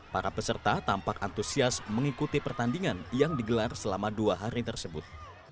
para peserta tampak antusias mengikuti pertandingan yang digelar selama dua hari tersebut